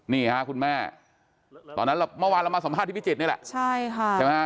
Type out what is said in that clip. นี่ฮะคุณแม่ตอนนั้นเมื่อวานเรามี่มาสัมภาษณ์ที่พิจิตรใช่ไหมฮะ